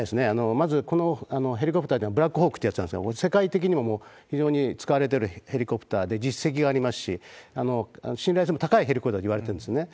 まず、このヘリコプター、ブラックホークってやつなんですが、これ、世界的にも非常に使われてるヘリコプターで、実績がありますし、信頼性も高いヘリコプターといわれてるんですね。